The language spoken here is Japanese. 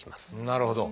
なるほど。